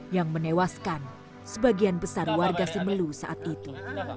yang menewaskan sebagian besar warga simelu saat itu